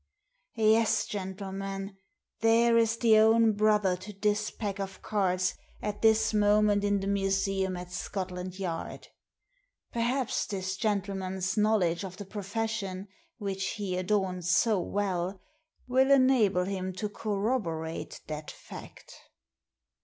Yes, gentlemen, there is the own brother to this pack of cards at this moment in the museum at Scotland Yard. Perhaps this gentle Digitized by VjOOQIC A PACK OF CARDS Ji man's knowledge of the profession which he adorns so well will enable him to corroborate that fact.'